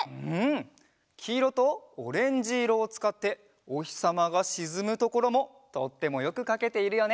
きいろとオレンジいろをつかっておひさまがしずむところもとってもよくかけているよね。